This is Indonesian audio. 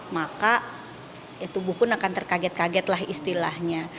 maka tubuh pun akan terkaget kaget lah istilahnya